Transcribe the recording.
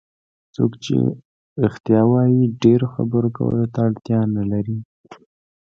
څوک چې رښتیا وایي ډېرو خبرو کولو ته اړتیا نه لري.